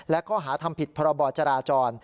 และข้อหาทำผิดพรบจราจร